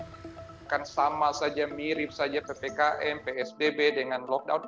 akan sama saja mirip saja ppkm psbb dengan lockdown